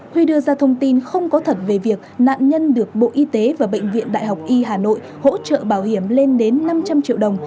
huy đưa ra thông tin không có thật về việc nạn nhân được bộ y tế và bệnh viện đại học y hà nội hỗ trợ bảo hiểm lên đến năm trăm linh triệu đồng